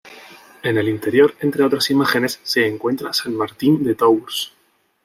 En el interior, entre otras imágenes, se encuentra San Martín de Tours.